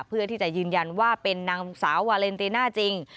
เพื่อที่จะยืนยันว่าเป็นนางสาววาเลนติน่าจริง